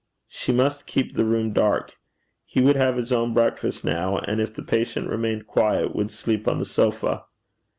She must keep the room dark. He would have his own breakfast now; and if the patient remained quiet, would sleep on the sofa.